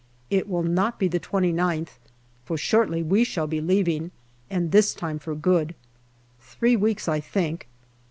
It will not be the 29th, for shortly we shall again be leaving, and this time for good. Three weeks, I think.